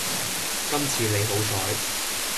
今次你好彩